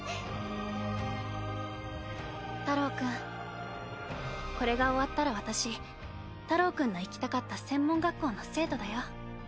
太朗君これが終わったら私太朗君の行きたかった専門学校の生徒だよ。